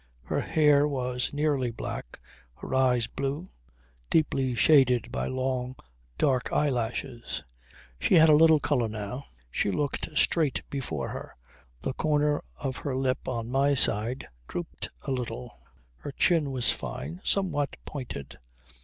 Her hair was nearly black, her eyes blue, deeply shaded by long dark eyelashes. She had a little colour now. She looked straight before her; the corner of her lip on my side drooped a little; her chin was fine, somewhat pointed.